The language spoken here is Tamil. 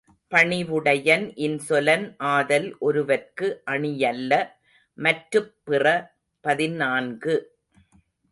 பணிவுடையன் இன்சொலன் ஆதல் ஒருவற்கு அணியல்ல மற்றுப் பிற பதினான்கு .